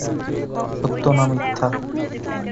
সত্য না মিথ্যা?